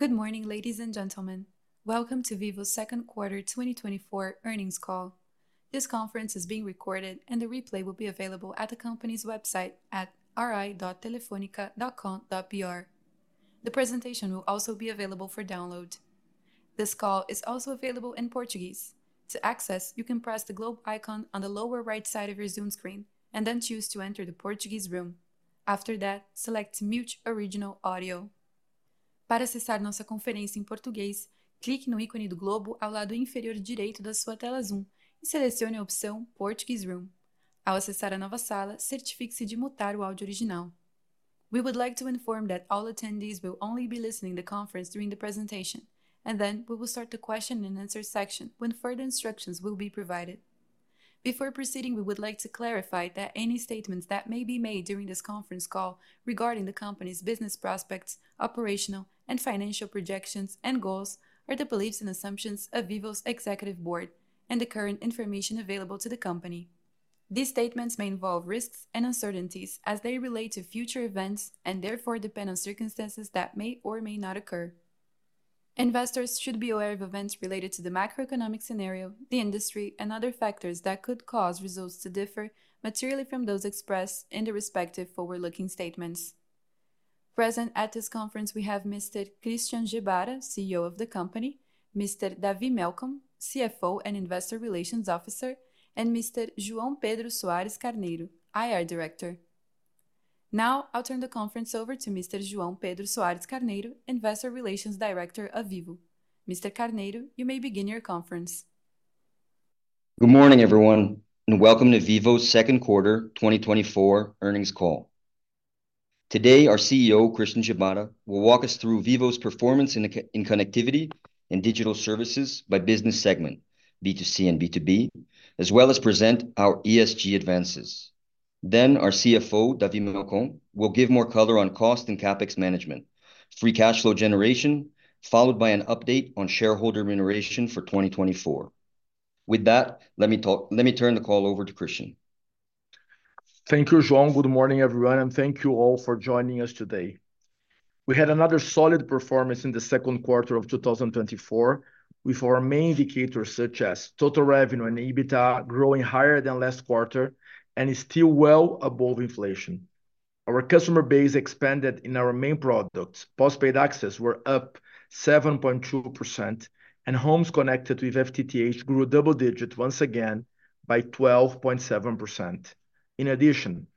Good morning, ladies and gentlemen. Welcome to Vivo's second quarter 2024 earnings call. This conference is being recorded, and the replay will be available at the company's website at ri.telefonica.com.br. The presentation will also be available for download. This call is also available in Portuguese. To access, you can press the globe icon on the lower right side of your Zoom screen and then choose to enter the Portuguese room. After that, select "Mute Original Audio". Para acessar nossa conferência em português, clique no ícone do globo ao lado inferior direito da sua tela Zoom e selecione a opção "Portuguese Room". Ao acessar a nova sala, certifique-se de mutar o áudio original. We would like to inform that all attendees will only be listening to the conference during the presentation, and then we will start the question and answer section when further instructions will be provided. Before proceeding, we would like to clarify that any statements that may be made during this conference call regarding the company's business prospects, operational and financial projections and goals are the beliefs and assumptions of Vivo's executive board and the current information available to the company. These statements may involve risks and uncertainties as they relate to future events and therefore depend on circumstances that may or may not occur. Investors should be aware of events related to the macroeconomic scenario, the industry, and other factors that could cause results to differ materially from those expressed in the respective forward-looking statements. Present at this conference, we have Mr. Christian Gebara, CEO of the company; Mr. David Melcon, CFO and Investor Relations Officer; and Mr. João Pedro Soares Carneiro, IR Director. Now, I'll turn the conference over to Mr. João Pedro Soares Carneiro, Investor Relations Director of Vivo. Mr. Carneiro, you may begin your conference. Good morning, everyone, and welcome to Vivo's second quarter 2024 earnings call. Today, our CEO, Christian Gebara, will walk us through Vivo's performance in connectivity and digital services by business segment, B2C and B2B, as well as present our ESG advances. Then, our CFO, David Melcon, will give more color on cost and CapEx management, free cash flow generation, followed by an update on shareholder remuneration for 2024. With that, let me turn the call over to Christian. Thank you, João. Good morning, everyone, and thank you all for joining us today. We had another solid performance in the second quarter of 2024, with our main indicators such as total revenue and EBITDA growing higher than last quarter and still well above inflation. Our customer base expanded in our main products. Postpaid access were up 7.2%, and homes connected with FTTH grew double-digit once again by 12.7%. In addition,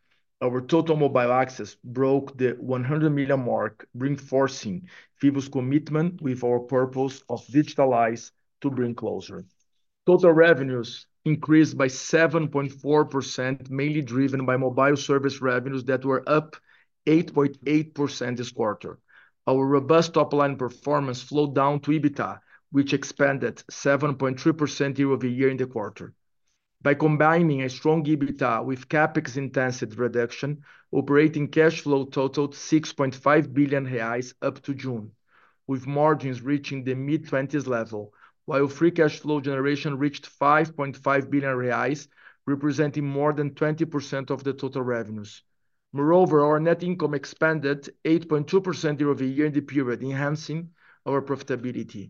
our total mobile access broke the 100 million mark, reinforcing Vivo's commitment with our purpose of digitalizing to bring closer. Total revenues increased by 7.4%, mainly driven by mobile service revenues that were up 8.8% this quarter. Our robust top-line performance slowed down to EBITDA, which expanded 7.3% year-over-year in the quarter. By combining a strong EBITDA with CapEx intensity reduction, operating cash flow totaled 6.5 billion reais up to June, with margins reaching the mid-20s level, while free cash flow generation reached 5.5 billion reais, representing more than 20% of the total revenues. Moreover, our net income expanded 8.2% year-over-year in the period, enhancing our profitability.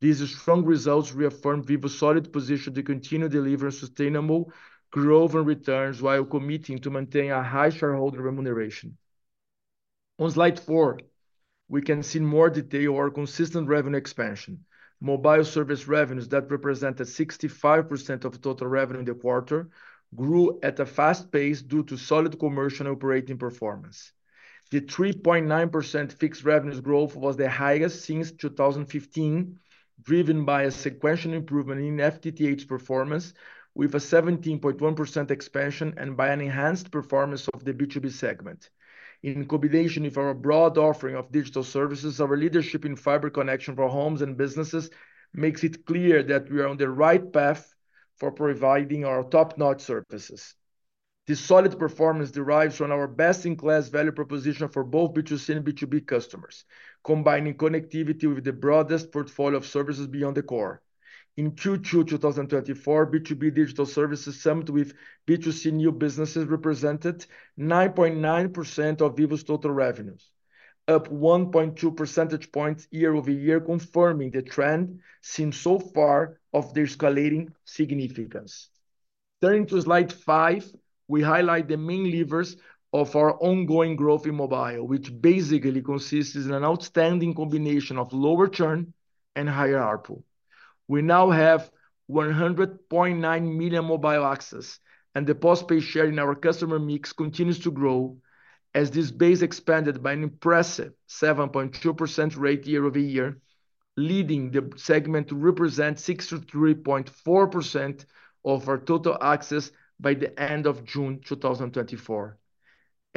These strong results reaffirm Vivo's solid position to continue delivering sustainable growth and returns while committing to maintaining a high shareholder remuneration. On slide four, we can see in more detail our consistent revenue expansion. Mobile service revenues that represented 65% of total revenue in the quarter grew at a fast pace due to solid commercial and operating performance. The 3.9% fixed revenues growth was the highest since 2015, driven by a sequential improvement in FTTH performance with a 17.1% expansion and by an enhanced performance of the B2B segment. In combination with our broad offering of digital services, our leadership in fiber connection for homes and businesses makes it clear that we are on the right path for providing our top-notch services. This solid performance derives from our best-in-class value proposition for both B2C and B2B customers, combining connectivity with the broadest portfolio of services beyond the core. In Q2 2024, B2B digital services summed with B2C new businesses represented 9.9% of Vivo's total revenues, up 1.2 percentage points year-over-year, confirming the trend seen so far of their scaling significance. Turning to slide five, we highlight the main levers of our ongoing growth in mobile, which basically consists in an outstanding combination of lower churn and higher ARPU. We now have 100.9 million mobile access, and the postpaid share in our customer mix continues to grow as this base expanded by an impressive 7.2% rate year-over-year, leading the segment to represent 63.4% of our total access by the end of June 2024.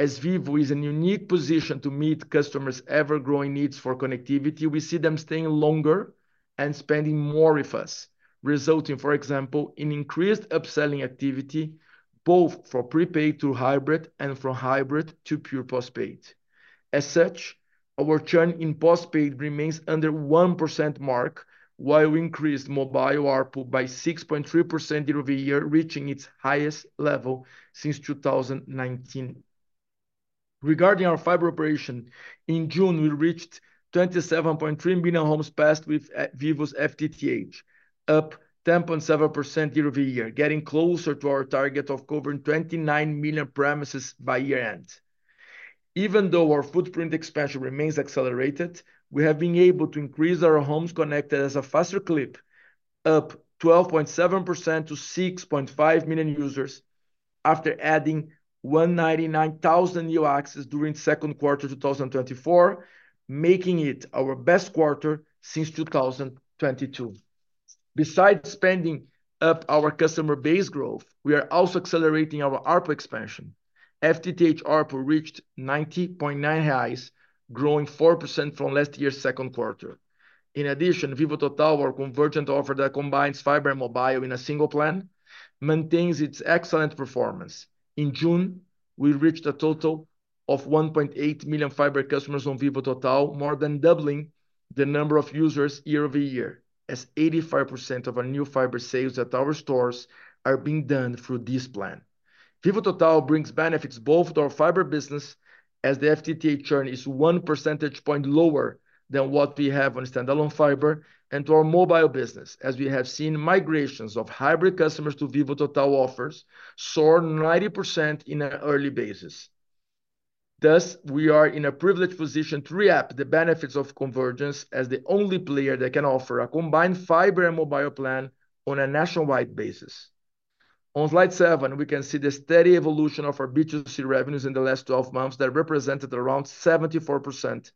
As Vivo is in a unique position to meet customers' ever-growing needs for connectivity, we see them staying longer and spending more with us, resulting, for example, in increased upselling activity both for prepaid to hybrid and from hybrid to pure postpaid. As such, our churn in postpaid remains under 1% mark, while we increased mobile ARPU by 6.3% year-over-year, reaching its highest level since 2019. Regarding our fiber operation, in June, we reached 27.3 million homes passed with Vivo's FTTH, up 10.7% year-over-year, getting closer to our target of covering 29 million premises by year-end. Even though our footprint expansion remains accelerated, we have been able to increase our homes connected at a faster clip, up 12.7% to 6.5 million users after adding 199,000 new access during the second quarter of 2024, making it our best quarter since 2022. Besides speeding up our customer base growth, we are also accelerating our RPU expansion. FTTH RPU reached 90.9, growing 4% from last year's second quarter. In addition, Vivo Total, our convergent offer that combines fiber and mobile in a single plan, maintains its excellent performance. In June, we reached a total of 1.8 million fiber customers on Vivo Total, more than doubling the number of users year-over-year, as 85% of our new fiber sales at our stores are being done through this plan. Vivo Total brings benefits both to our fiber business, as the FTTH churn is 1 percentage point lower than what we have on standalone fiber, and to our mobile business, as we have seen migrations of hybrid customers to Vivo Total offers soar 90% on an early basis. Thus, we are in a privileged position to reap the benefits of convergence as the only player that can offer a combined fiber and mobile plan on a nationwide basis. On slide 7, we can see the steady evolution of our B2C revenues in the last 12 months that represented around 74% of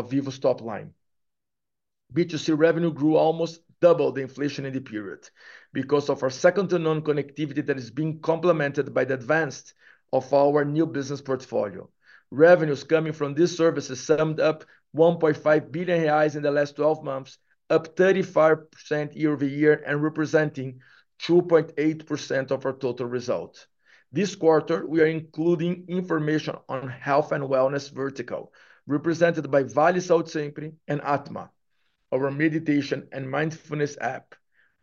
Vivo's top line. B2C revenue grew almost double the inflation in the period because of our second-to-none connectivity that is being complemented by the advancement of our new business portfolio. Revenues coming from these services summed up 1.5 billion reais in the last 12 months, up 35% year-over-year and representing 2.8% of our total result. This quarter, we are including information on health and wellness vertical, represented by Vale Saúde Sempre and Atma, our meditation and mindfulness app.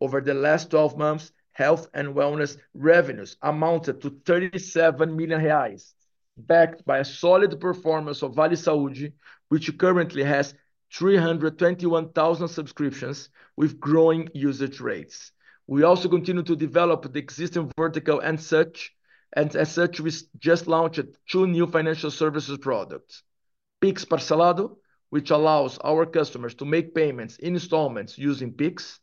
Over the last 12 months, health and wellness revenues amounted to 37 million reais, backed by a solid performance of Vale Saúde, which currently has 321,000 subscriptions with growing usage rates. We also continue to develop the existing vertical and such, and as such, we just launched two new financial services products, Pix Parcelado, which allows our customers to make payments in installments using Pix,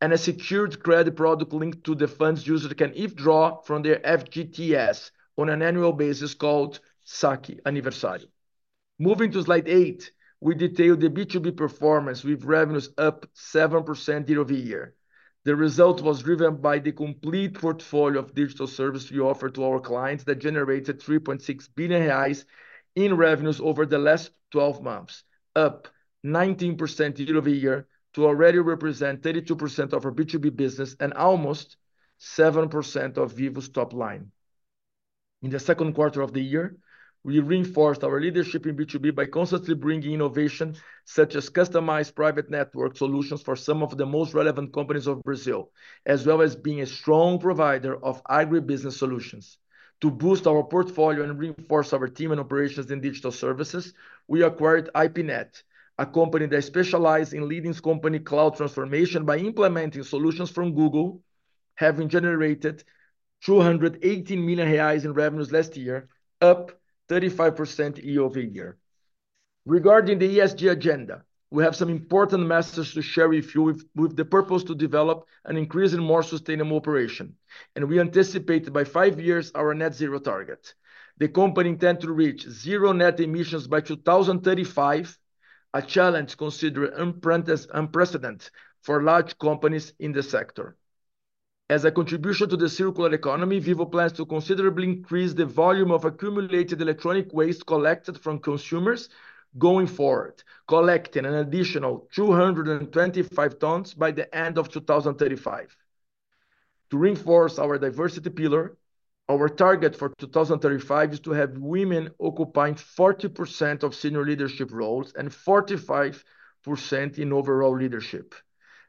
and a secured credit product linked to the funds users can withdraw from their FGTS on an annual basis called Saque-Aniversário. Moving to slide eight, we detail the B2B performance with revenues up 7% year-over-year. The result was driven by the complete portfolio of digital services we offer to our clients that generated 3.6 billion reais in revenues over the last 12 months, up 19% year-over-year to already represent 32% of our B2B business and almost 7% of Vivo's top line. In the second quarter of the year, we reinforced our leadership in B2B by constantly bringing innovation such as customized private network solutions for some of the most relevant companies of Brazil, as well as being a strong provider of agribusiness solutions. To boost our portfolio and reinforce our team and operations in digital services, we acquired IPNET, a company that specializes in leading company cloud transformation by implementing solutions from Google, having generated 218 million reais in revenues last year, up 35% year-over-year. Regarding the ESG agenda, we have some important messages to share with you with the purpose to develop an increasingly more sustainable operation, and we anticipate by 5 years our Net Zero target. The company intends to reach zero net emissions by 2035, a challenge considered unprecedented for large companies in the sector. As a contribution to the circular economy, Vivo plans to considerably increase the volume of accumulated electronic waste collected from consumers going forward, collecting an additional 225 tons by the end of 2035. To reinforce our diversity pillar, our target for 2035 is to have women occupying 40% of senior leadership roles and 45% in overall leadership.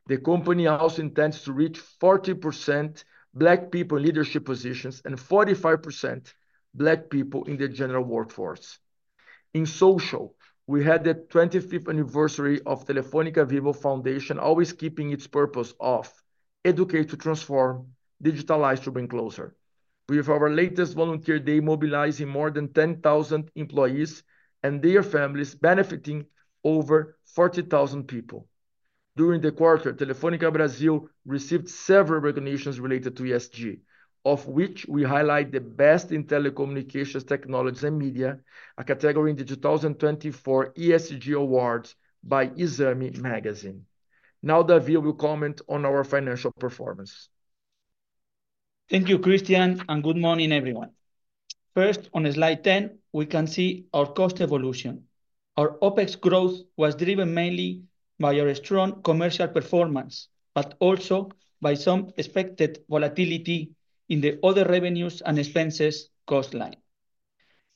The company also intends to reach 40% Black people in leadership positions and 45% Black people in the general workforce. In social, we had the 25th anniversary of Telefônica Vivo Foundation, always keeping its purpose of educate to transform, digitalize to bring closer. With our latest volunteer day mobilizing more than 10,000 employees and their families, benefiting over 40,000 people. During the quarter, Telefônica Brasil received several recognitions related to ESG, of which we highlight the best in telecommunications, technologies, and media, a category in the 2024 ESG Awards by Exame. Now, David will comment on our financial performance. Thank you, Christian, and good morning, everyone. First, on slide 10, we can see our cost evolution. Our OpEx growth was driven mainly by our strong commercial performance, but also by some expected volatility in the other revenues and expenses cost line.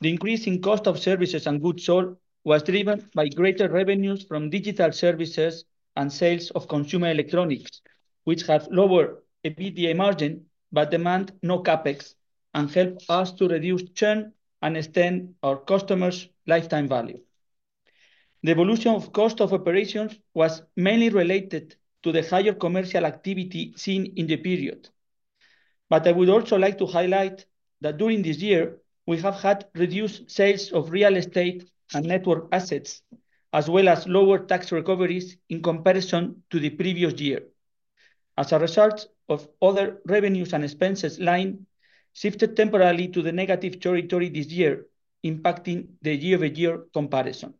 The increase in cost of services and goods sold was driven by greater revenues from digital services and sales of consumer electronics, which have lower EBITDA margin but demand no CapEx and help us to reduce churn and extend our customers' lifetime value. The evolution of cost of operations was mainly related to the higher commercial activity seen in the period. But I would also like to highlight that during this year, we have had reduced sales of real estate and network assets, as well as lower tax recoveries in comparison to the previous year. As a result, other revenues and expenses lines shifted temporarily to the negative territory this year, impacting the year-over-year comparison.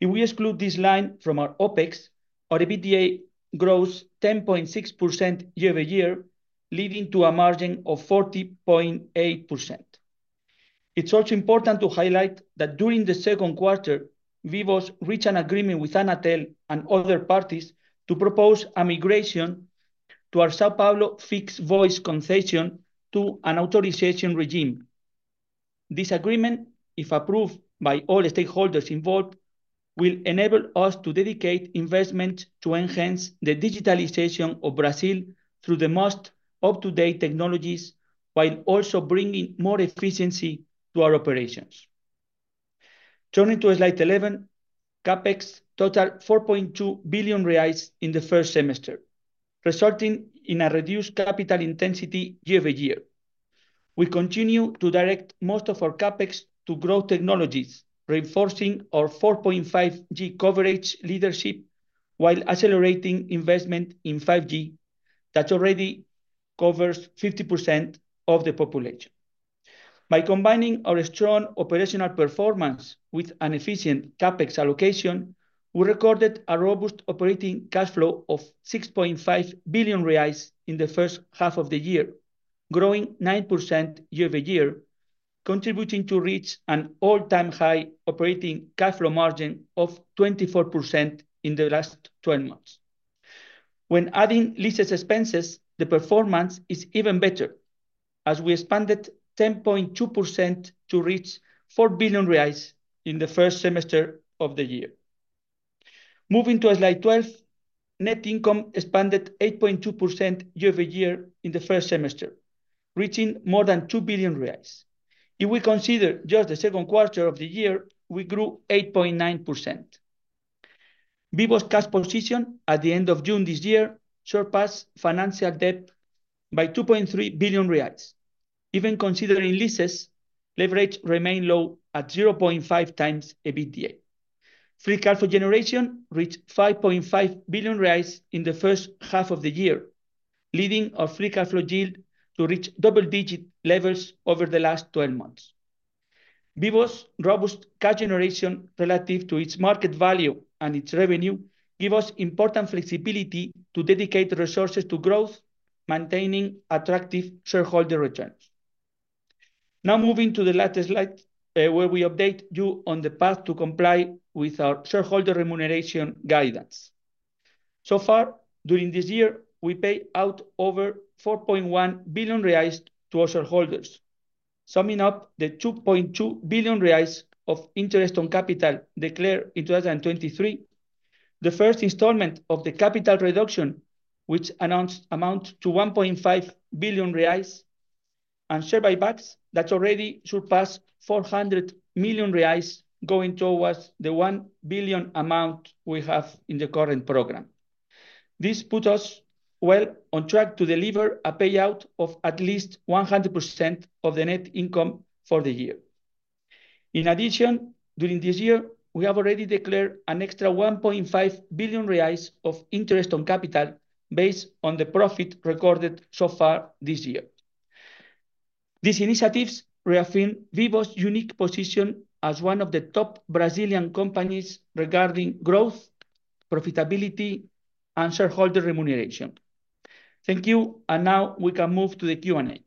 If we exclude this line from our OpEx, our EBITDA grows 10.6% year-over-year, leading to a margin of 40.8%. It's also important to highlight that during the second quarter, Vivo reached an agreement with Anatel and other parties to propose a migration to our São Paulo fixed voice concession to an authorization regime. This agreement, if approved by all stakeholders involved, will enable us to dedicate investments to enhance the digitalization of Brazil through the most up-to-date technologies, while also bringing more efficiency to our operations. Turning to slide 11, CapEx totaled 4.2 billion reais in the first semester, resulting in a reduced capital intensity year-over-year. We continue to direct most of our CapEx to growth technologies, reinforcing our 4.5G coverage leadership while accelerating investment in 5G that already covers 50% of the population. By combining our strong operational performance with an efficient CapEx allocation, we recorded a robust operating cash flow of 6.5 billion reais in the first half of the year, growing 9% year-over-year, contributing to reach an all-time high operating cash flow margin of 24% in the last 12 months. When adding leases and expenses, the performance is even better, as we expanded 10.2% to reach 4 billion reais in the first semester of the year. Moving to slide 12, net income expanded 8.2% year-over-year in the first semester, reaching more than 2 billion reais. If we consider just the second quarter of the year, we grew 8.9%. Vivo's cash position at the end of June this year surpassed financial debt by 2.3 billion reais. Even considering leases, leverage remained low at 0.5 times EBITDA. Free cash flow generation reached 5.5 billion reais in the first half of the year, leading our free cash flow yield to reach double-digit levels over the last 12 months. Vivo's robust cash generation relative to its market value and its revenue gives us important flexibility to dedicate resources to growth, maintaining attractive shareholder returns. Now, moving to the latest slide, where we update you on the path to comply with our shareholder remuneration guidance. So far, during this year, we paid out over 4.1 billion reais to our shareholders, summing up the 2.2 billion reais of interest on capital declared in 2023, the first installment of the capital reduction, which amounts to 1.5 billion reais, and share buybacks that already surpassed 400 million reais, going towards the 1 billion amount we have in the current program. This puts us well on track to deliver a payout of at least 100% of the net income for the year. In addition, during this year, we have already declared an extra 1.5 billion reais of interest on capital based on the profit recorded so far this year. These initiatives reaffirm Vivo's unique position as one of the top Brazilian companies regarding growth, profitability, and shareholder remuneration. Thank you, and now we can move to the Q&A.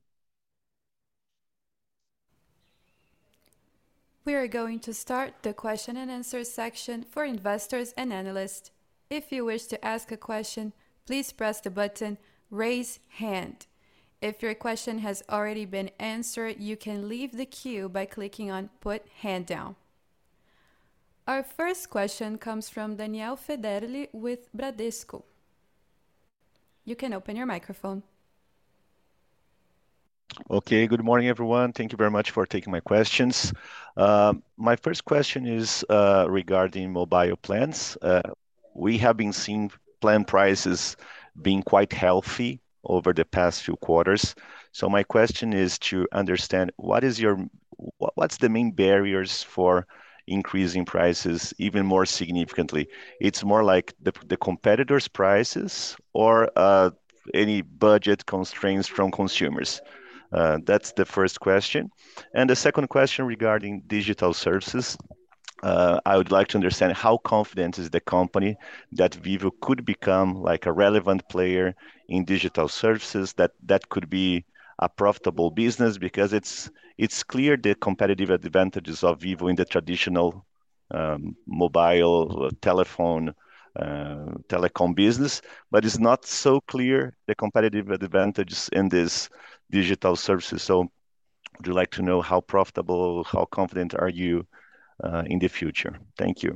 We are going to start the question and answer section for investors and analysts. If you wish to ask a question, please press the button "Raise Hand." If your question has already been answered, you can leave the queue by clicking on "Put Hand Down." Our first question comes from Daniel Federle with Bradesco. You can open your microphone. Okay, good morning, everyone. Thank you very much for taking my questions. My first question is regarding mobile plans. We have been seeing plan prices being quite healthy over the past few quarters. So my question is to understand what is your, what's the main barriers for increasing prices even more significantly? It's more like the competitors' prices or any budget constraints from consumers. That's the first question. The second question regarding digital services, I would like to understand how confident is the company that Vivo could become like a relevant player in digital services that could be a profitable business because it's clear the competitive advantages of Vivo in the traditional mobile telephone telecom business, but it's not so clear the competitive advantages in these digital services. So I'd like to know how profitable, how confident are you in the future? Thank you.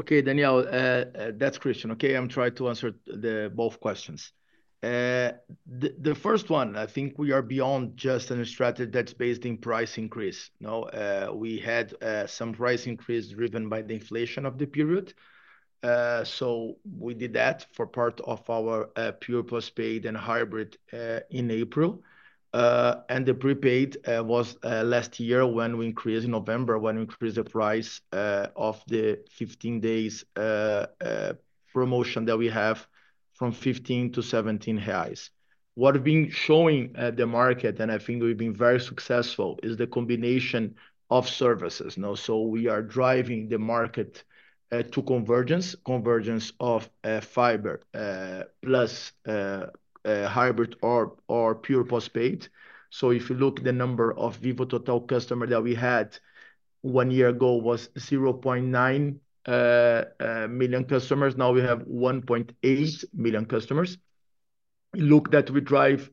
Okay, Daniel, that's Christian. Okay, I'm trying to answer both questions. The first one, I think we are beyond just a strategy that's based in price increase. We had some price increase driven by the inflation of the period. So we did that for part of our postpaid and hybrid in April. And the prepaid was last year when we increased in November when we increased the price of the 15 days promotion that we have from 15 to 17 reais. What we've been showing the market, and I think we've been very successful, is the combination of services. So we are driving the market to convergence, convergence of fiber plus hybrid or postpaid. So if you look at the number of Vivo Total customers that we had one year ago was 0.9 million customers. Now we have 1.8 million customers. Look that we drive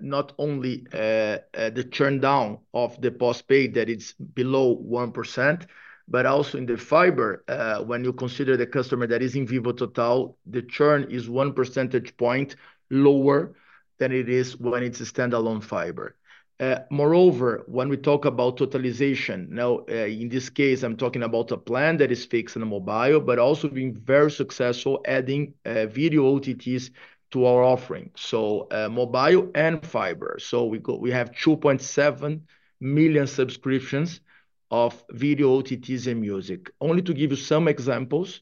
not only the churn down of the postpaid that it's below 1%, but also in the fiber, when you consider the customer that is in Vivo Total, the churn is 1 percentage point lower than it is when it's a standalone fiber. Moreover, when we talk about totalization, now in this case, I'm talking about a plan that is fixed and mobile, but also being very successful adding video OTTs to our offering. So mobile and fiber. So we have 2.7 million subscriptions of video OTTs and music. Only to give you some examples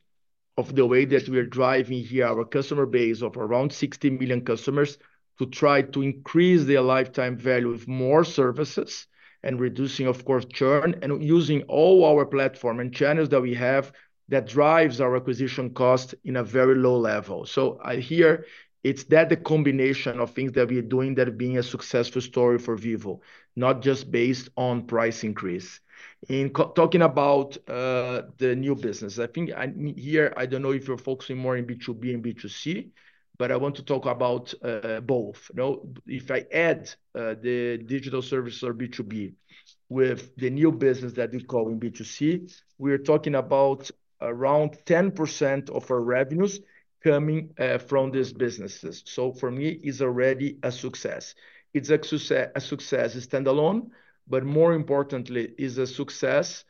of the way that we are driving here our customer base of around 60 million customers to try to increase their lifetime value with more services and reducing, of course, churn and using all our platform and channels that we have that drives our acquisition cost in a very low level. So here, it's that the combination of things that we are doing that are being a successful story for Vivo, not just based on price increase. In talking about the new business, I think here, I don't know if you're focusing more in B2B and B2C, but I want to talk about both. If I add the digital services or B2B with the new business that we call in B2C, we are talking about around 10% of our revenues coming from these businesses. So for me, it's already a success. It's a success standalone, but more importantly, it's a success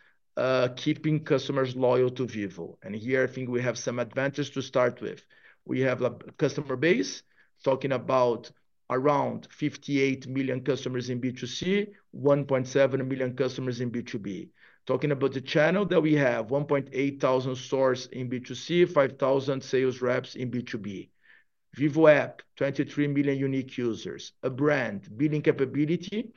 keeping customers loyal to Vivo. And here, I think we have some advantages to start with. We have a customer base talking about around 58 million customers in B2C, 1.7 million customers in B2B. Talking about the channel that we have, 1,800 stores in B2C, 5,000 sales reps in B2B. Vivo app, 23 million unique users, a brand, billing capability,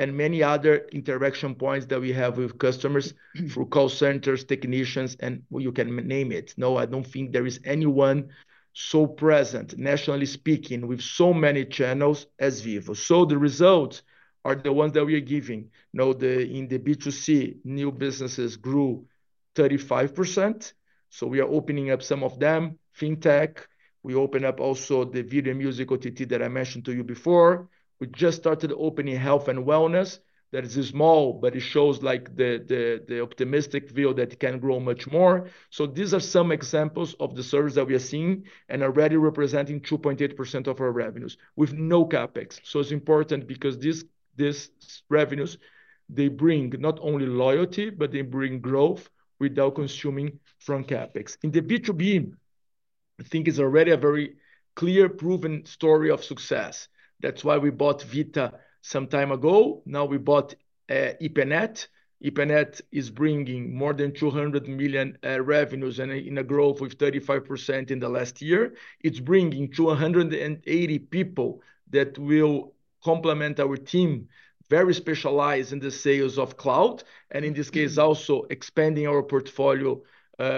and many other interaction points that we have with customers through call centers, technicians, and you can name it. No, I don't think there is anyone so present, nationally speaking, with so many channels as Vivo. So the results are the ones that we are giving. In the B2C, new businesses grew 35%. So we are opening up some of them, fintech. We open up also the video music OTT that I mentioned to you before. We just started opening health and wellness. That is small, but it shows like the optimistic view that it can grow much more. So these are some examples of the service that we are seeing and already representing 2.8% of our revenues with no CapEx. So it's important because these revenues, they bring not only loyalty, but they bring growth without consuming from CapEx. In the B2B, I think it's already a very clear, proven story of success. That's why we bought Vita some time ago. Now we bought IPNET. IPNET is bringing more than 200 million in revenues and in a growth of 35% in the last year. It's bringing 280 people that will complement our team, very specialized in the sales of cloud, and in this case, also expanding our portfolio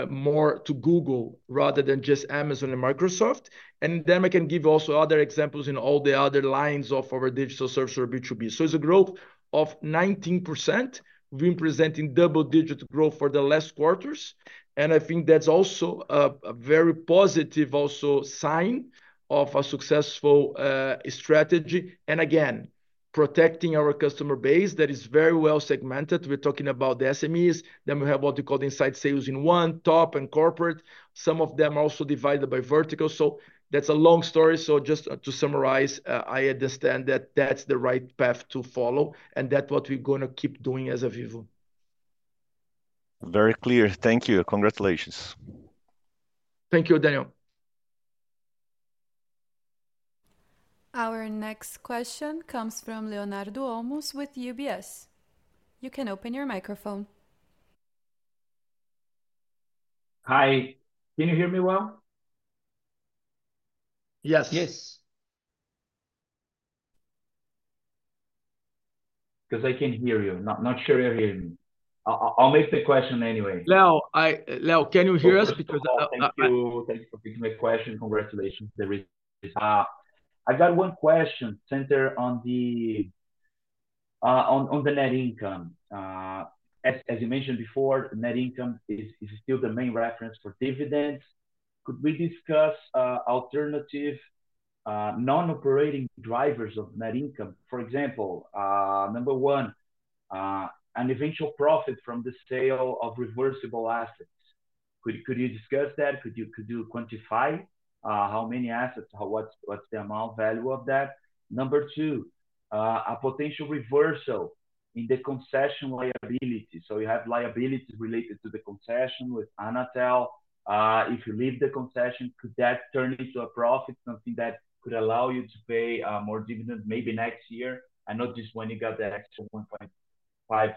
more to Google rather than just Amazon and Microsoft. And then I can give you also other examples in all the other lines of our digital service or B2B. So it's a growth of 19%, representing double-digit growth for the last quarters. And I think that's also a very positive sign of a successful strategy. Again, protecting our customer base that is very well segmented. We're talking about the SMEs. Then we have what we call inside sales in one, top, and corporate. Some of them are also divided by vertical. So that's a long story. So just to summarize, I understand that that's the right path to follow and that's what we're going to keep doing as a Vivo. Very clear. Thank you. Congratulations. Thank you, Daniel. Our next question comes from Leonardo Olmos with UBS. You can open your microphone. Hi. Can you hear me well? Yes. Yes. Because I can't hear you. Not sure you hear me. I'll make the question anyway. Leo, can you hear us? Thank you for picking my question. Congratulations. I've got one question centered on the net income. As you mentioned before, net income is still the main reference for dividends. Could we discuss alternative non-operating drivers of net income? For example, number one, an eventual profit from the sale of reversible assets. Could you discuss that? Could you quantify how many assets, what's the amount value of that? Number two, a potential reversal in the concession liability. So you have liabilities related to the concession with Anatel. If you leave the concession, could that turn into a profit, something that could allow you to pay more dividends maybe next year? I know this one you got the extra 1.5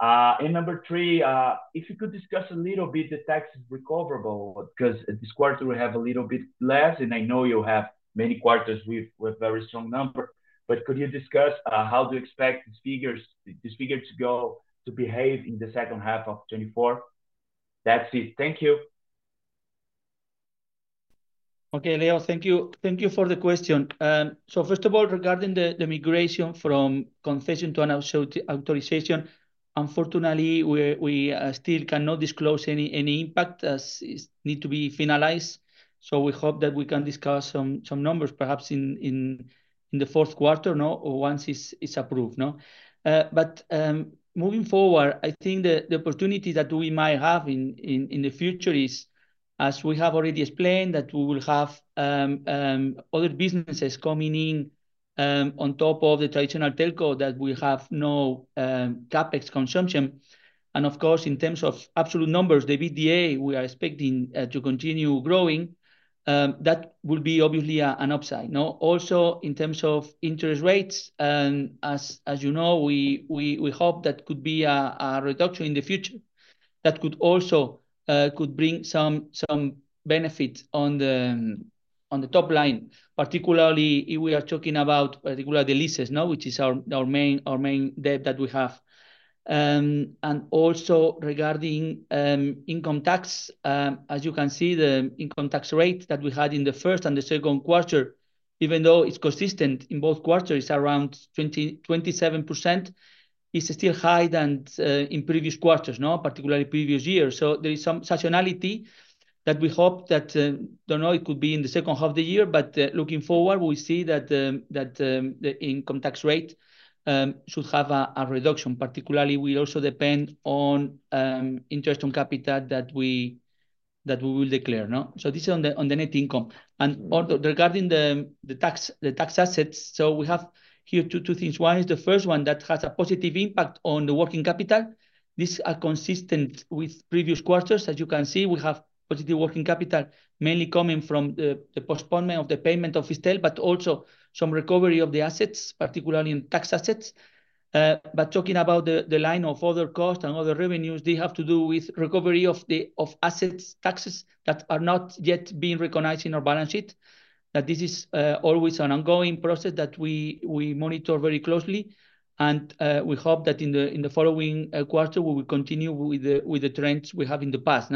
billion. Number three, if you could discuss a little bit the tax recoverable, because this quarter we have a little bit less, and I know you have many quarters with very strong numbers, but could you discuss how do you expect this figure to go to behave in the second half of 2024? That's it. Thank you. Okay, Leo, thank you for the question. So first of all, regarding the migration from concession to an authorization, unfortunately, we still cannot disclose any impact as it needs to be finalized. So we hope that we can discuss some numbers perhaps in the fourth quarter or once it's approved. But moving forward, I think the opportunity that we might have in the future is, as we have already explained, that we will have other businesses coming in on top of the traditional telco that we have no CapEx consumption. And of course, in terms of absolute numbers, the VDA, we are expecting to continue growing. That would be obviously an upside. Also, in terms of interest rates, as you know, we hope that could be a reduction in the future that could also bring some benefit on the top line, particularly if we are talking about particularly leases, which is our main debt that we have. And also regarding income tax, as you can see, the income tax rate that we had in the first and the second quarter, even though it's consistent in both quarters, it's around 27%. It's still higher than in previous quarters, particularly previous years. So there is some saturation that we hope that, I don't know, it could be in the second half of the year, but looking forward, we see that the income tax rate should have a reduction, particularly we also depend on interest on capital that we will declare. So this is on the net income. Regarding the tax assets, so we have here two things. One is the first one that has a positive impact on the working capital. These are consistent with previous quarters. As you can see, we have positive working capital, mainly coming from the postponement of the payment of FISTEL, but also some recovery of the assets, particularly in tax assets. But talking about the line of other costs and other revenues, they have to do with recovery of assets taxes that are not yet being recognized in our balance sheet. That this is always an ongoing process that we monitor very closely. We hope that in the following quarter, we will continue with the trends we have in the past.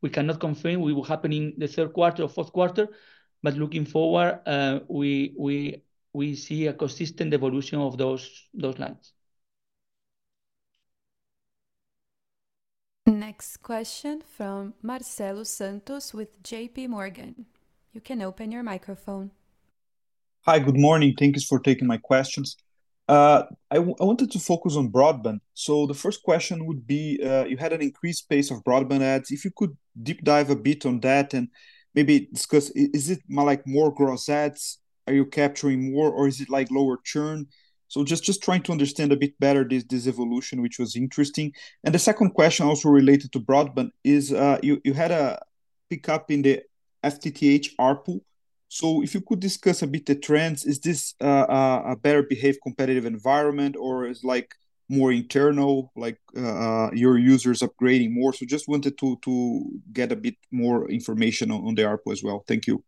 We cannot confirm we will happen in the third quarter or fourth quarter, but looking forward, we see a consistent evolution of those lines. Next question from Marcelo Santos with JP Morgan. You can open your microphone. Hi, good morning. Thank you for taking my questions. I wanted to focus on broadband. The first question would be, you had an increased pace of broadband adds. If you could deep dive a bit on that and maybe discuss, is it more gross adds? Are you capturing more or is it lower churn? Just trying to understand a bit better this evolution, which was interesting. The second question also related to broadband is you had a pickup in the FTTH ARPU. If you could discuss a bit the trends, is this a better behaved competitive environment or is it more internal, like your users upgrading more? Just wanted to get a bit more information on the ARPU as well. Thank you.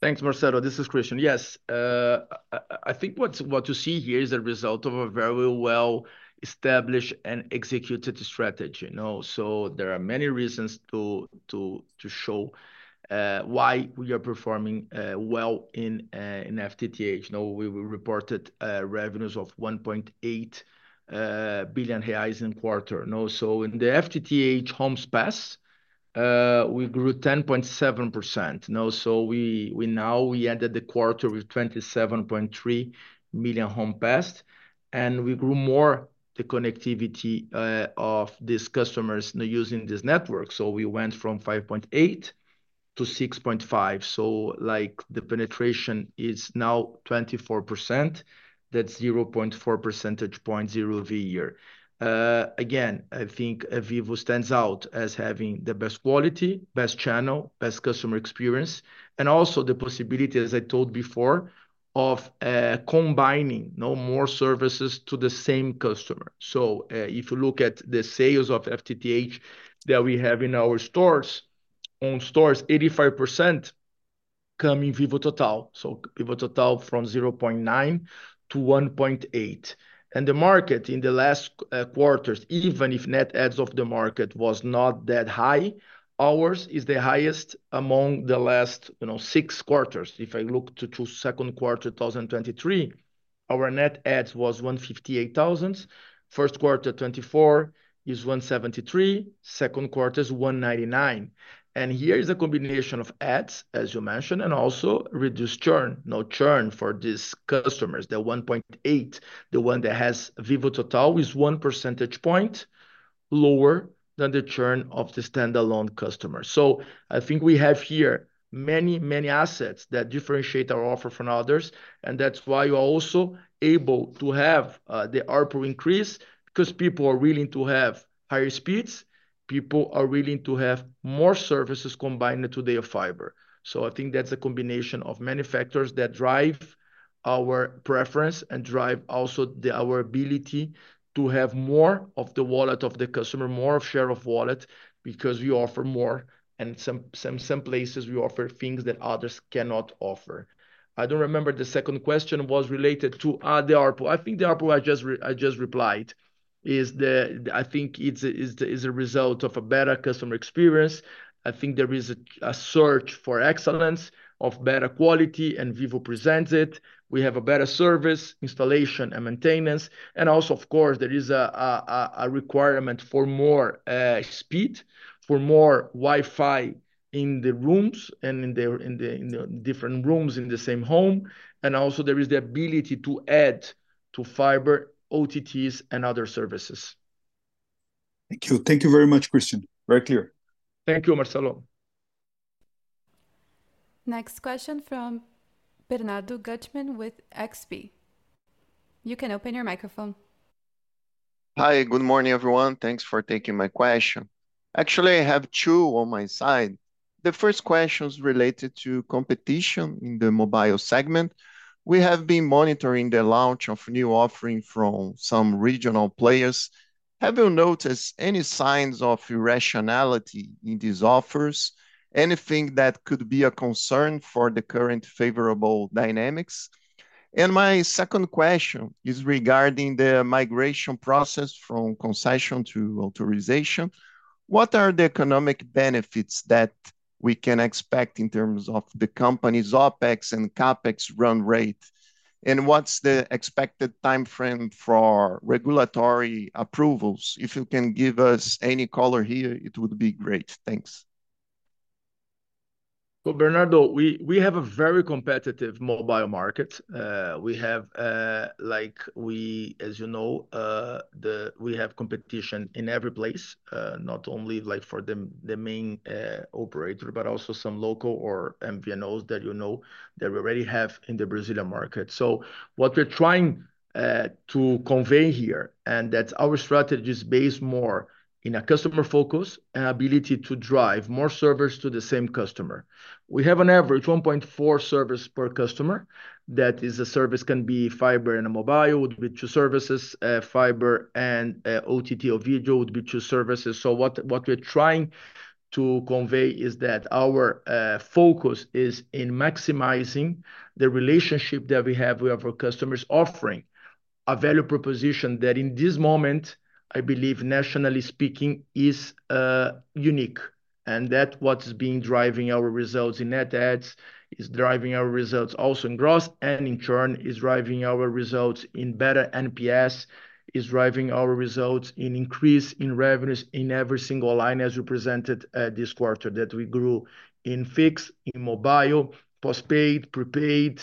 Thanks, Marcelo. This is Christian. Yes, I think what you see here is a result of a very well-established and executed strategy. So there are many reasons to show why we are performing well in FTTH. We reported revenues of 1.8 billion reais in quarter. So in the FTTH Homes Passed, we grew 10.7%. So now we ended the quarter with 27.3 million Homes Passed. And we grew more the connectivity of these customers using this network. So we went from 5.8 to 6.5. So the penetration is now 24%. That's 0.4 percentage points year-over-year. Again, I think Vivo stands out as having the best quality, best channel, best customer experience, and also the possibility, as I told before, of combining more services to the same customer. So if you look at the sales of FTTH that we have in our stores, own stores, 85% come in Vivo Total. So Vivo Total from 0.9 to 1.8. And the market in the last quarters, even if net adds of the market was not that high, ours is the highest among the last six quarters. If I look to second quarter 2023, our net adds was 158,000. First quarter 2024 is 173. Second quarter is 199. And here is a combination of adds, as you mentioned, and also reduced churn, no churn for these customers. The 1.8, the one that has Vivo Total is one percentage point lower than the churn of the standalone customer. So I think we have here many, many assets that differentiate our offer from others. And that's why we are also able to have the ARPU increase because people are willing to have higher speeds. People are willing to have more services combined today of fiber. So I think that's a combination of many factors that drive our preference and drive also our ability to have more of the wallet of the customer, more of share of wallet because we offer more. And in some places, we offer things that others cannot offer. I don't remember the second question was related to the ARPU. I think the ARPU I just replied is the, I think it's a result of a better customer experience. I think there is a search for excellence of better quality and Vivo presents it. We have a better service, installation, and maintenance. Also, of course, there is a requirement for more speed, for more Wi-Fi in the rooms and in the different rooms in the same home. Also there is the ability to add to fiber OTTs and other services. Thank you. Thank you very much, Christian. Very clear. Thank you, Marcelo. Next question from Bernardo Guttmann with XP. You can open your microphone. Hi, good morning, everyone. Thanks for taking my question. Actually, I have two on my side. The first question is related to competition in the mobile segment. We have been monitoring the launch of new offerings from some regional players. Have you noticed any signs of irrationality in these offers? Anything that could be a concern for the current favorable dynamics? And my second question is regarding the migration process from concession to authorization. What are the economic benefits that we can expect in terms of the company's OpEx and CapEx run rate? And what's the expected timeframe for regulatory approvals? If you can give us any color here, it would be great. Thanks. So Bernardo, we have a very competitive mobile market. We have, as you know, we have competition in every place, not only for the main operator, but also some local or MVNOs that you know that we already have in the Brazilian market. So what we're trying to convey here, and that's our strategy is based more in a customer focus and ability to drive more services to the same customer. We have an average 1.4 services per customer. That is a service can be fiber and a mobile would be two services, fiber and OTT or video would be two services. So what we're trying to convey is that our focus is in maximizing the relationship that we have with our customers offering a value proposition that in this moment, I believe nationally speaking is unique. That's what's been driving our results in net adds; it's driving our results also in gross adds and in churn; it's driving our results in better NPS; it's driving our results in increase in revenues in every single line as we presented this quarter that we grew in fixed, in mobile, postpaid, prepaid,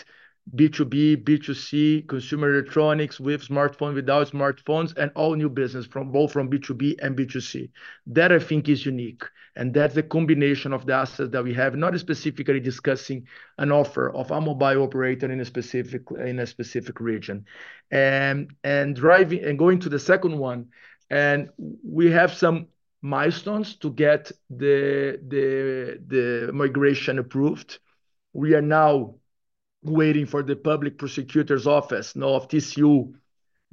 B2B, B2C, consumer electronics with smartphone, without smartphones, and all new business from both from B2B and B2C. That, I think, is unique. That's a combination of the assets that we have, not specifically discussing an offer of a mobile operator in a specific region. Going to the second one, we have some milestones to get the migration approved. We are now waiting for the Public Prosecutor's Office now of TCU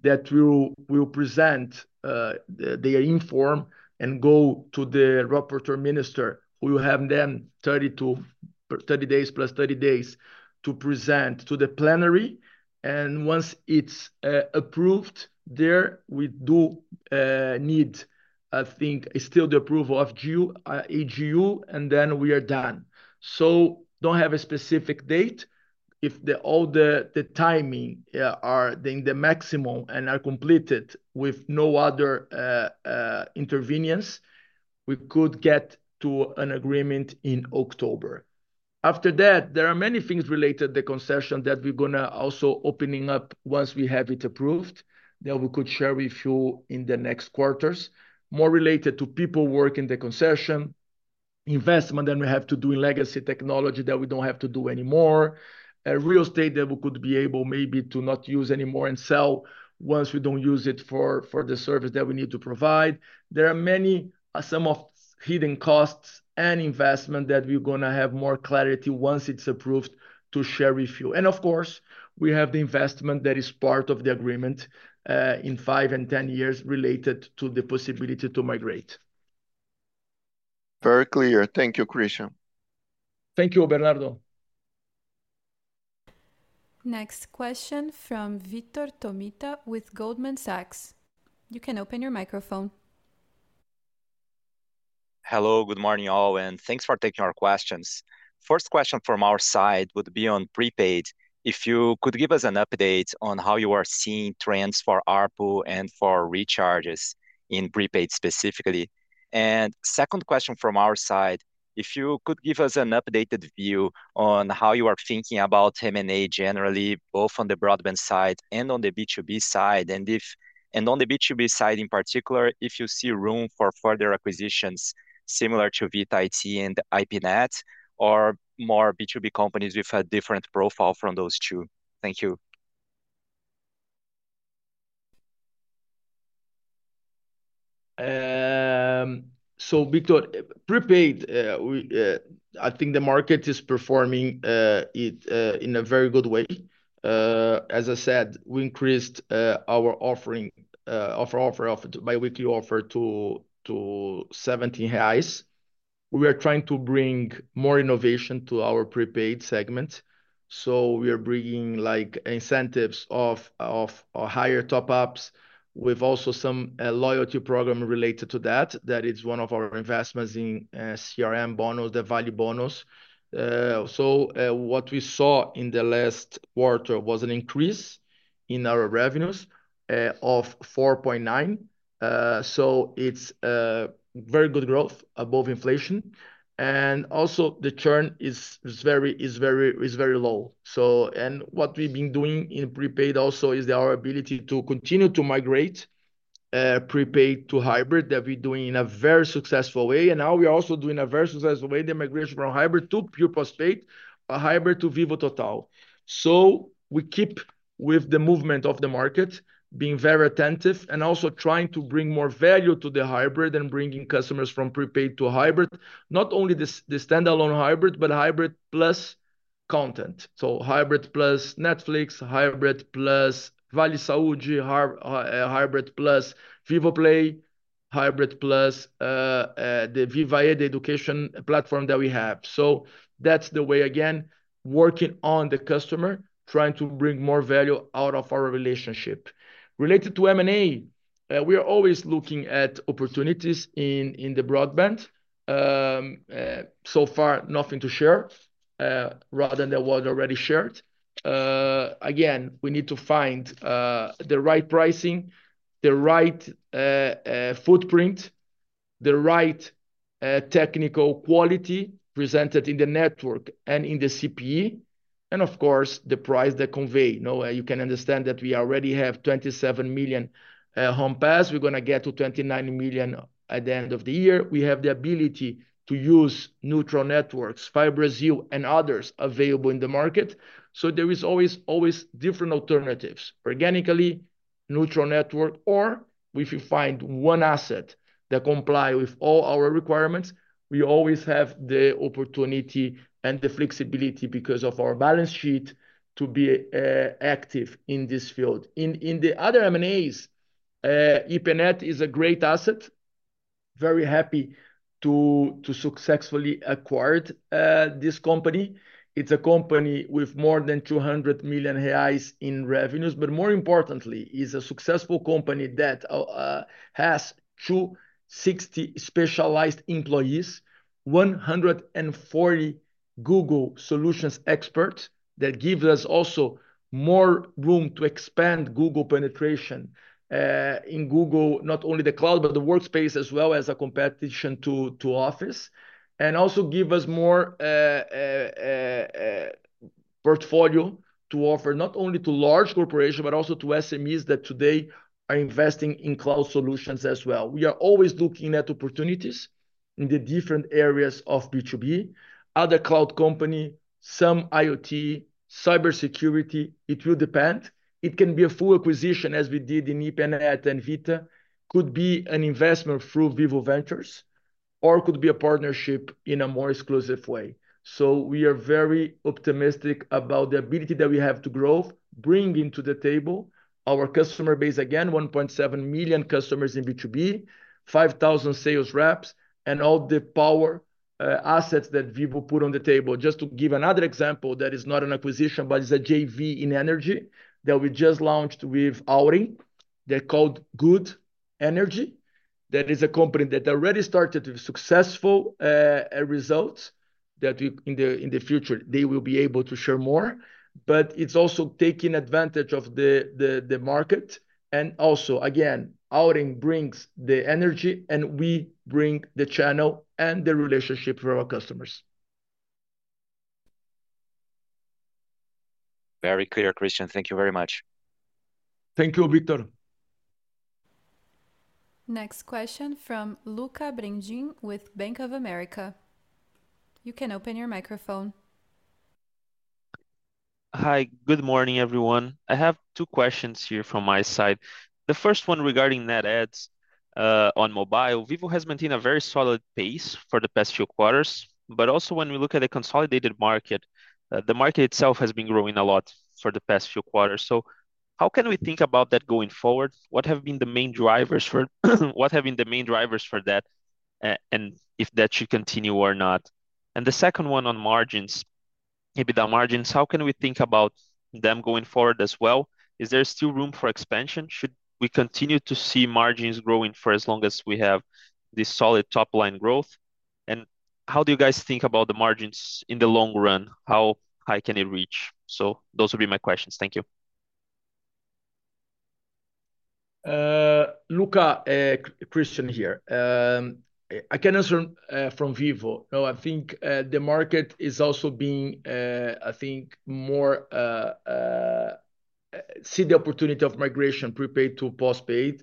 that will present their opinion and go to the Rapporteur Minister. We will have them 30 days plus 30 days to present to the plenary. And once it's approved there, we do need, I think, still the approval of AGU, and then we are done. So don't have a specific date. If all the timing are in the maximum and are completed with no other intervenience, we could get to an agreement in October. After that, there are many things related to the concession that we're going to also opening up once we have it approved that we could share with you in the next quarters, more related to people working the concession, investment that we have to do in legacy technology that we don't have to do anymore, real estate that we could be able maybe to not use anymore and sell once we don't use it for the service that we need to provide. There are many, some of hidden costs and investment that we're going to have more clarity once it's approved to share with you. Of course, we have the investment that is part of the agreement in 5 and 10 years related to the possibility to migrate. Very clear. Thank you, Christian. Thank you, Bernardo. Next question from Vitor Tomita with Goldman Sachs. You can open your microphone. Hello, good morning all, and thanks for taking our questions. First question from our side would be on prepaid. If you could give us an update on how you are seeing trends for ARPU and for recharges in prepaid specifically? Second question from our side, if you could give us an updated view on how you are thinking about M&A generally, both on the broadband side and on the B2B side, and on the B2B side in particular, if you see room for further acquisitions similar to Vita IT and IPNet or more B2B companies with a different profile from those two? Thank you. So Victor, prepaid, I think the market is performing in a very good way. As I said, we increased our offering offer biweekly offer to 17 reais. We are trying to bring more innovation to our prepaid segment. So we are bringing incentives of higher top-ups with also some loyalty program related to that. That is one of our investments in CRM Bonus, the Vale Bonus. So what we saw in the last quarter was an increase in our revenues of 4.9. So it's very good growth above inflation. And also the churn is very low. And what we've been doing in prepaid also is our ability to continue to migrate prepaid to hybrid that we're doing in a very successful way. And now we are also doing a very successful way, the migration from hybrid to pure postpaid, a hybrid to Vivo Total. So we keep with the movement of the market, being very attentive and also trying to bring more value to the hybrid and bringing customers from prepaid to hybrid, not only the standalone hybrid, but hybrid plus content. So hybrid plus Netflix, hybrid plus Vale Saúde, hybrid plus Vivo Play, hybrid plus the Vivae education platform that we have. So that's the way again, working on the customer, trying to bring more value out of our relationship. Related to M&A, we are always looking at opportunities in the broadband. So far, nothing to share rather than what already shared. Again, we need to find the right pricing, the right footprint, the right technical quality presented in the network and in the CPE. And of course, the price that convey. You can understand that we already have 27 million homes passed. We're going to get to 29 million at the end of the year. We have the ability to use neutral networks, FiBrasil and others available in the market. So there is always different alternatives, organically, neutral network, or if you find one asset that complies with all our requirements, we always have the opportunity and the flexibility because of our balance sheet to be active in this field. In the other M&As, IPNET is a great asset. Very happy to successfully acquired this company. It's a company with more than 200 million reais in revenues, but more importantly, it's a successful company that has 260 specialized employees, 140 Google solutions experts that gives us also more room to expand Google penetration in Google, not only the cloud, but the workspace as well as a competition to Office. Also give us more portfolio to offer not only to large corporations, but also to SMEs that today are investing in cloud solutions as well. We are always looking at opportunities in the different areas of B2B, other cloud company, some IoT, cybersecurity. It will depend. It can be a full acquisition as we did in IPNET and Vita. Could be an investment through Vivo Ventures or could be a partnership in a more exclusive way. So we are very optimistic about the ability that we have to grow, bringing to the table our customer base, again, 1.7 million customers in B2B, 5,000 sales reps, and all the power assets that Vivo put on the table. Just to give another example that is not an acquisition, but it's a JV in energy that we just launched with Auren. They're called Gud Energia. That is a company that already started with successful results that in the future they will be able to share more. But it's also taking advantage of the market. And also, again, Auren brings the energy and we bring the channel and the relationship for our customers. Very clear, Christian. Thank you very much. Thank you, Victor. Next question from Luca Biondi with Bank of America. You can open your microphone. Hi, good morning, everyone. I have two questions here from my side. The first one regarding net adds on mobile. Vivo has maintained a very solid pace for the past few quarters, but also when we look at the consolidated market, the market itself has been growing a lot for the past few quarters. So how can we think about that going forward? What have been the main drivers for what have been the main drivers for that and if that should continue or not? And the second one on margins, EBITDA margins, how can we think about them going forward as well? Is there still room for expansion? Should we continue to see margins growing for as long as we have this solid top-line growth? And how do you guys think about the margins in the long run? How high can it reach? So those would be my questions. Thank you. Luca, Christian here. I can answer from Vivo. I think the market is also being, I think, more see the opportunity of migration prepaid to postpaid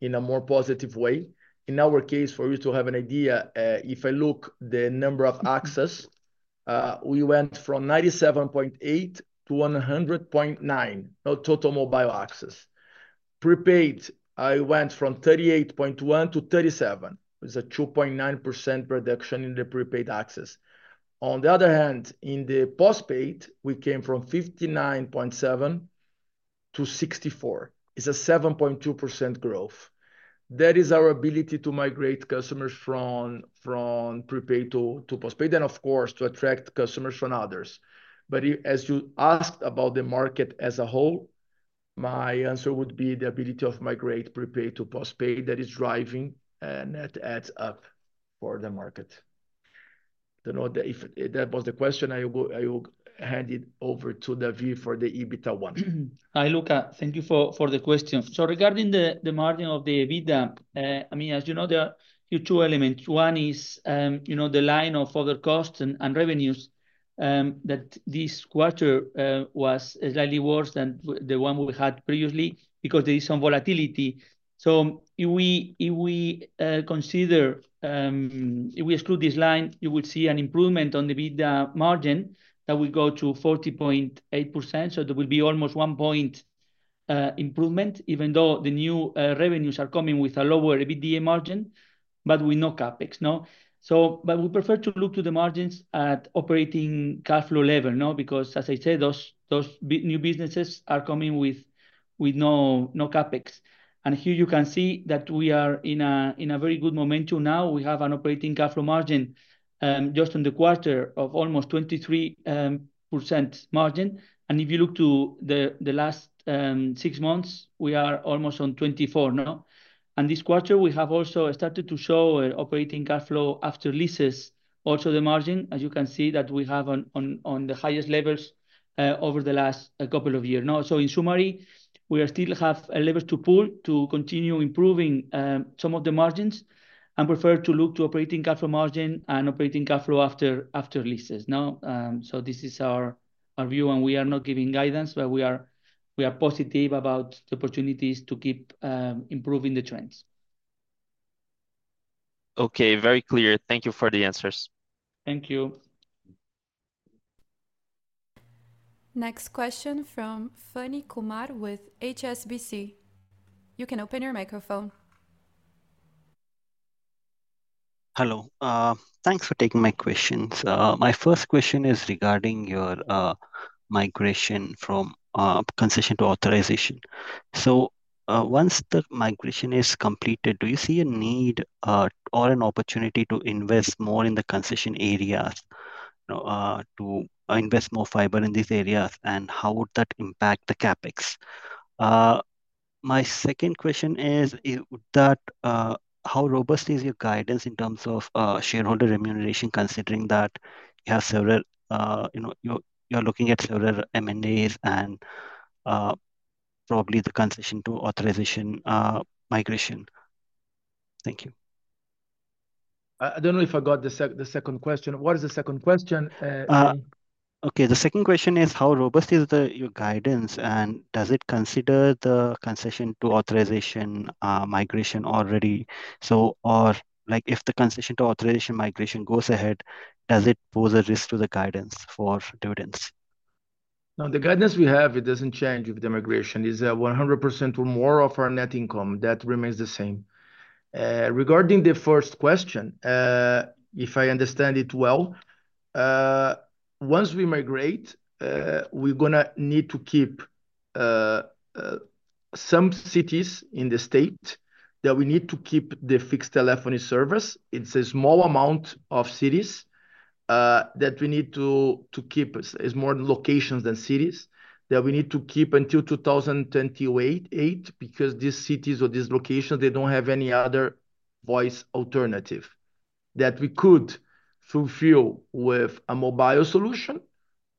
in a more positive way. In our case, for you to have an idea, if I look at the number of access, we went from 97.8 to 100.9 total mobile access. Prepaid, I went from 38.1 to 37. It's a 2.9% reduction in the prepaid access. On the other hand, in the postpaid, we came from 59.7 to 64. It's a 7.2% growth. That is our ability to migrate customers from prepaid to postpaid and, of course, to attract customers from others. But as you asked about the market as a whole, my answer would be the ability of migrate prepaid to postpaid that is driving net ads up for the market. I don't know if that was the question. I will hand it over to David for the EBITDA one. Hi, Luca. Thank you for the question. So regarding the margin of the EBITDA, I mean, as you know, there are two elements. One is the line of other costs and revenues that this quarter was slightly worse than the one we had previously because there is some volatility. So if we exclude this line, you will see an improvement on the EBITDA margin that will go to 40.8%. So there will be almost one point improvement, even though the new revenues are coming with a lower EBITDA margin, but with no CapEx. But we prefer to look to the margins at operating cash flow level because, as I said, those new businesses are coming with no CapEx. And here you can see that we are in a very good momentum now. We have an operating cash flow margin just in the quarter of almost 23% margin. If you look to the last six months, we are almost on 24. This quarter, we have also started to show operating cash flow after leases, also the margin, as you can see that we have on the highest levels over the last couple of years. In summary, we still have levers to pull to continue improving some of the margins and prefer to look to operating cash flow margin and operating cash flow after leases. This is our view, and we are not giving guidance, but we are positive about the opportunities to keep improving the trends. Okay, very clear. Thank you for the answers. Thank you. Next question from Phani Kumar with HSBC. You can open your microphone. Hello. Thanks for taking my questions. My first question is regarding your migration from concession to authorization. So once the migration is completed, do you see a need or an opportunity to invest more in the concession areas, to invest more fiber in these areas, and how would that impact the CapEx? My second question is, how robust is your guidance in terms of shareholder remuneration, considering that you are looking at several M&As and probably the concession to authorization migration? Thank you. I don't know if I got the second question. What is the second question? Okay, the second question is, how robust is your guidance, and does it consider the concession to authorization migration already? So if the concession to authorization migration goes ahead, does it pose a risk to the guidance for dividends? Now, the guidance we have, it doesn't change with the migration. It's 100% or more of our net income. That remains the same. Regarding the first question, if I understand it well, once we migrate, we're going to need to keep some cities in the state that we need to keep the fixed telephony service. It's a small amount of cities that we need to keep. It's more locations than cities that we need to keep until 2028 because these cities or these locations, they don't have any other voice alternative that we could fulfill with a mobile solution,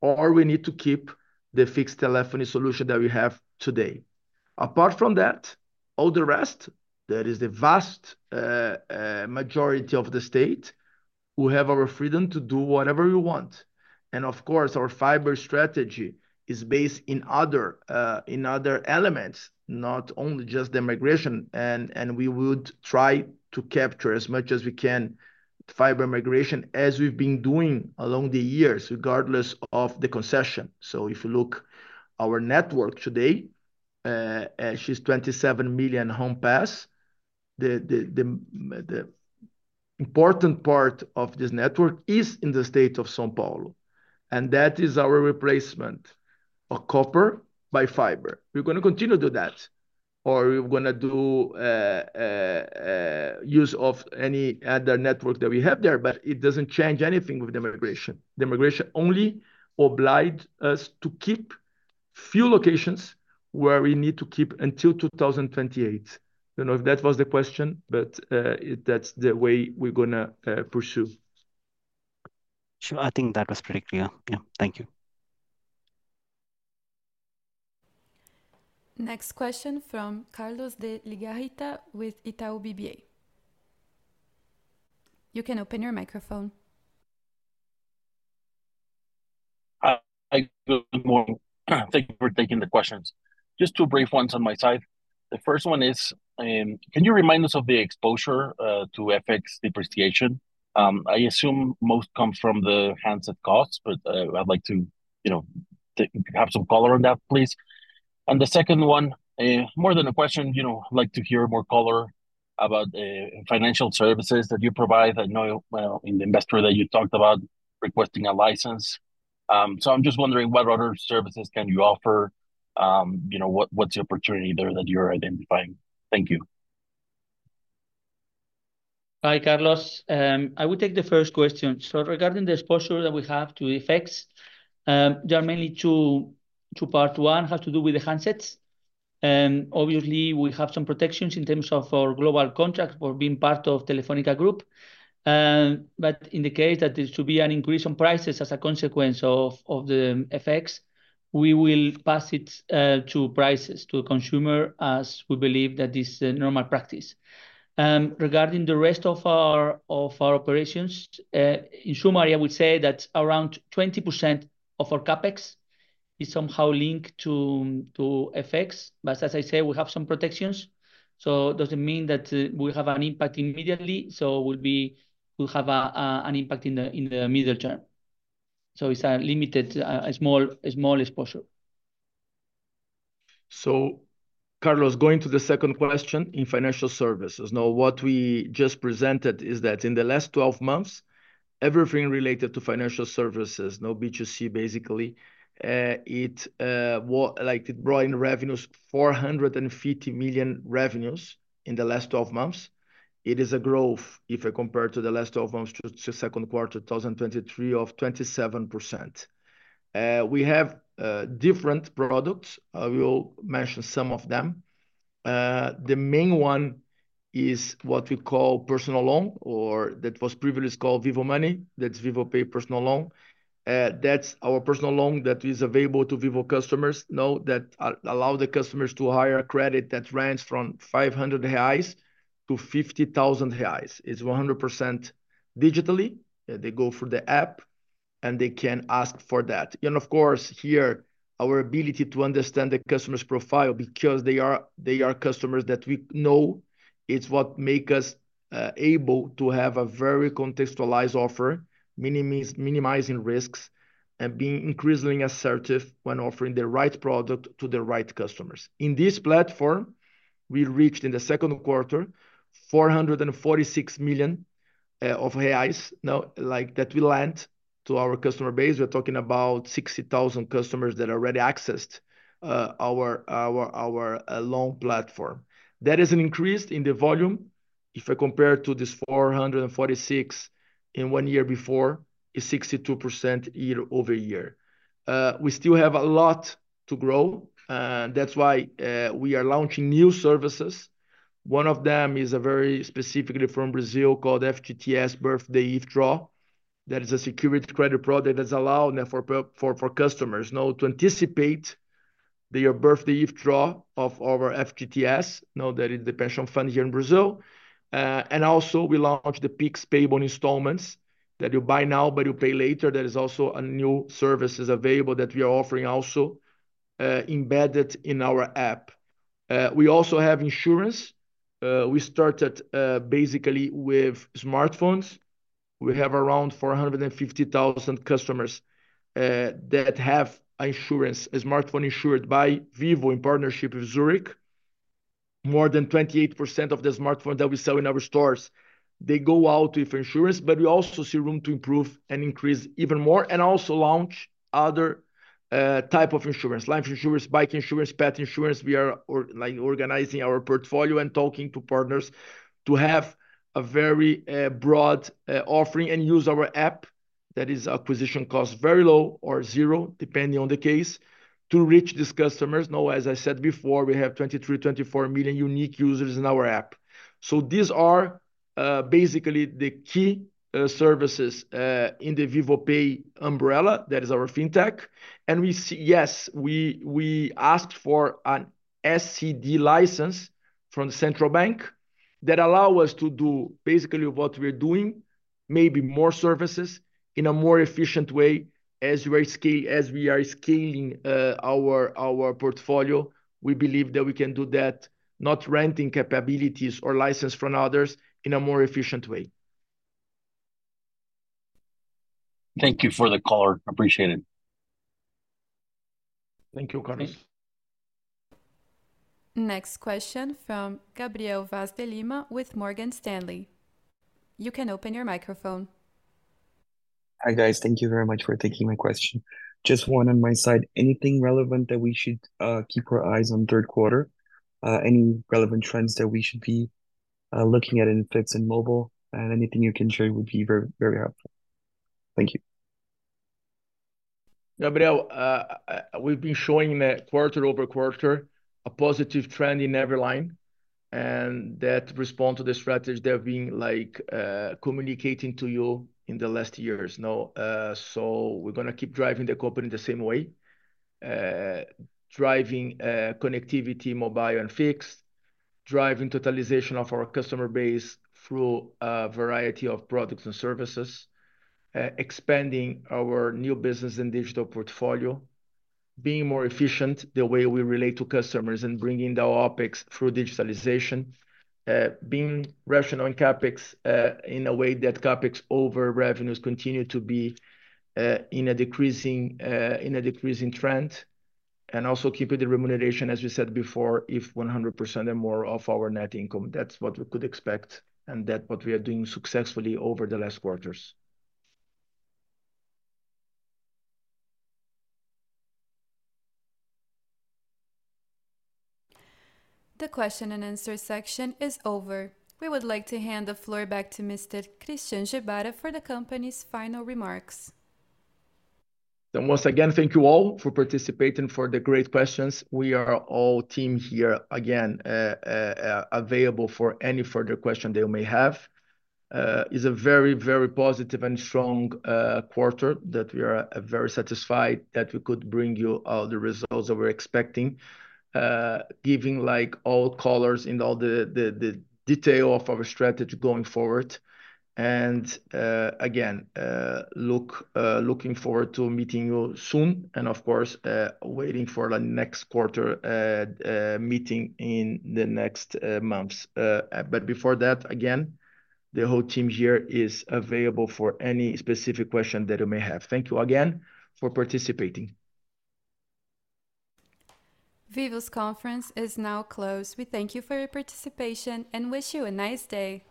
or we need to keep the fixed telephony solution that we have today. Apart from that, all the rest, that is the vast majority of the state, we have our freedom to do whatever we want. Of course, our fiber strategy is based in other elements, not only just the migration. We would try to capture as much as we can fiber migration as we've been doing along the years, regardless of the concession. So if you look at our network today, it's 27 million homes passed. The important part of this network is in the state of São Paulo. That is our replacement of copper by fiber. We're going to continue to do that, or we're going to do use of any other network that we have there, but it doesn't change anything with the migration. The migration only obliges us to keep few locations where we need to keep until 2028. I don't know if that was the question, but that's the way we're going to pursue. Sure. I think that was pretty clear. Yeah, thank you. Next question from Carlos de Legarreta with Itaú BBA. You can open your microphone. Hi, good morning. Thank you for taking the questions. Just two brief ones on my side. The first one is, can you remind us of the exposure to FX depreciation? I assume most comes from the handset costs, but I'd like to have some color on that, please. And the second one, more than a question, I'd like to hear more color about the financial services that you provide. I know in the investor that you talked about requesting a license. So I'm just wondering what other services can you offer, what's the opportunity there that you're identifying. Thank you. Hi, Carlos. I will take the first question. So regarding the exposure that we have to FX, there are mainly two parts. One has to do with the handsets. Obviously, we have some protections in terms of our global contracts for being part of Telefónica Group. But in the case that there should be an increase in prices as a consequence of the FX, we will pass it to prices to the consumer as we believe that this is a normal practice. Regarding the rest of our operations, in summary, I would say that around 20% of our CapEx is somehow linked to FX. But as I say, we have some protections. So it doesn't mean that we have an impact immediately. So we'll have an impact in the middle term. So it's a limited, small exposure. So Carlos, going to the second question in financial services. Now, what we just presented is that in the last 12 months, everything related to financial services, B2C basically, it brought in revenues of 450 million in the last 12 months. It is a growth if I compare to the last 12 months to the second quarter 2023 of 27%. We have different products. I will mention some of them. The main one is what we call personal loan, or that was previously called Vivo Money. That's Vivo Pay Personal Loan. That's our personal loan that is available to Vivo customers. Now that allows the customers to hire a credit that runs from 500-50,000 reais. It's 100% digitally. They go through the app, and they can ask for that. Of course, here, our ability to understand the customer's profile because they are customers that we know, it's what makes us able to have a very contextualized offer, minimizing risks, and being increasingly assertive when offering the right product to the right customers. In this platform, we reached in the second quarter 446 million reais that we lent to our customer base. We're talking about 60,000 customers that already accessed our loan platform. That is an increase in the volume. If I compare to this 446 in one year before, it's 62% year-over-year. We still have a lot to grow. That's why we are launching new services. One of them is very specifically from Brazil called FGTS Birthday Withdrawal. That is a secured credit product that's allowed for customers to anticipate their birthday withdrawal of our FGTS, that is the pension fund here in Brazil. Also, we launched the Pix Parcelado that you buy now, but you pay later. That is also a new service available that we are offering also embedded in our app. We also have insurance. We started basically with smartphones. We have around 450,000 customers that have insurance, a smartphone insured by Vivo in partnership with Zurich. More than 28% of the smartphones that we sell in our stores, they go out with insurance, but we also see room to improve and increase even more and also launch other types of insurance: life insurance, bike insurance, pet insurance. We are organizing our portfolio and talking to partners to have a very broad offering and use our app. That is acquisition cost very low or zero, depending on the case, to reach these customers. As I said before, we have 23-24 million unique users in our app. So these are basically the key services in the Vivo Pay umbrella. That is our fintech. And yes, we asked for an SCD license from the Central Bank that allows us to do basically what we're doing, maybe more services in a more efficient way as we are scaling our portfolio. We believe that we can do that, not renting capabilities or licenses from others in a more efficient way. Thank you for the call. I appreciate it. Thank you, Carlos. Next question from Gabriel Vaz de Lima with Morgan Stanley. You can open your microphone. Hi, guys. Thank you very much for taking my question. Just one on my side. Anything relevant that we should keep our eyes on third quarter? Any relevant trends that we should be looking at in fixed and mobile? And anything you can share would be very helpful. Thank you. Gabriel, we've been showing that quarter-over-quarter, a positive trend in every line, and that responds to the strategy that we've been communicating to you in the last years. So we're going to keep driving the company the same way, driving connectivity, mobile and fixed, driving totalization of our customer base through a variety of products and services, expanding our new business and digital portfolio, being more efficient the way we relate to customers and bringing the OpEx through digitalization, being rational in CapEx in a way that CapEx over revenues continue to be in a decreasing trend, and also keeping the remuneration, as we said before, at 100% or more of our net income. That's what we could expect, and that's what we are doing successfully over the last quarters. The question and answer section is over. We would like to hand the floor back to Mr. Christian Gebara for the company's final remarks. Then, once again, thank you all for participating for the great questions. We are all team here again available for any further questions they may have. It's a very, very positive and strong quarter that we are very satisfied that we could bring you all the results that we're expecting, giving all colors and all the detail of our strategy going forward. And again, looking forward to meeting you soon and, of course, waiting for the next quarter meeting in the next months. But before that, again, the whole team here is available for any specific question that you may have. Thank you again for participating. Vivo's conference is now closed. We thank you for your participation and wish you a nice day.